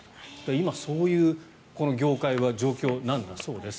今そういう状況なんだそうです。